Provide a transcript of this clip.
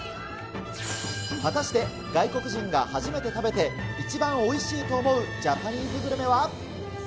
果たして、外国人が初めて食べて、一番おいしいと思うジャパニーズグルメは？